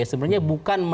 sebenarnya bukan menambah